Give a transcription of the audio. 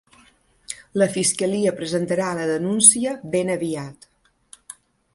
La fiscalia presentarà la denúncia ben aviat.